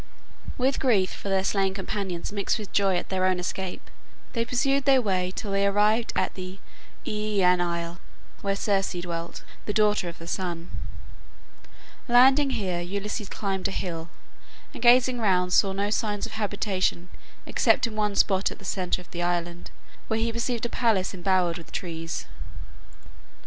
With grief for their slain companions mixed with joy at their own escape, they pursued their way till they arrived at the Aeaean isle, where Circe dwelt, the daughter of the sun. Landing here, Ulysses climbed a hill, and gazing round saw no signs of habitation except in one spot at the centre of the island, where he perceived a palace embowered with trees.